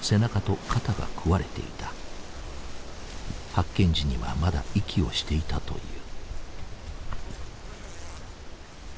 発見時にはまだ息をしていたという。